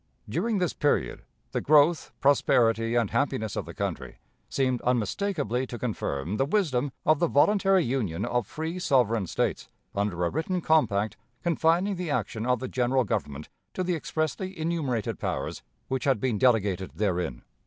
During this period, the growth, prosperity, and happiness of the country seemed unmistakably to confirm the wisdom of the voluntary union of free sovereign States under a written compact confining the action of the General Government to the expressly enumerated powers which had been delegated therein.